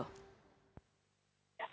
kita memang berharap bahwa